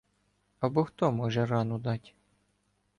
Або хто може рану дать?